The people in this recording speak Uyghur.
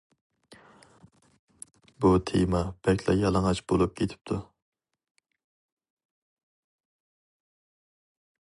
بۇ تېما بەكلا يالىڭاچ بولۇپ كېتىپتۇ.